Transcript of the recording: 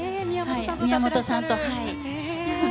宮本さんの。